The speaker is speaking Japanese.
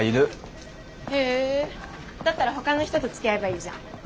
へえだったらほかの人とつきあえばいいじゃん。